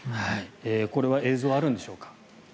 これは映像あるんでしょうか。